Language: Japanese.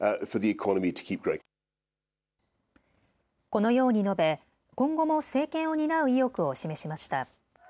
このように述べ今後も政権を担う意欲を示しました。